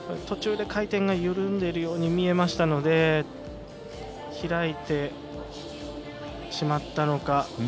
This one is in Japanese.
途中で回転が緩んでいるように見えましたので開いてしまったのか。